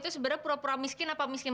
lu kike terlaluan banget sih